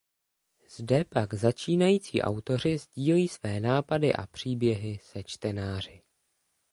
Zde pak začínající autoři sdílí své nápady a příběhy se čtenáři.